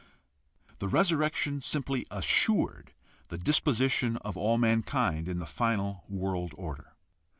The resurrection simply assured the disposition of all mankind in the final world order.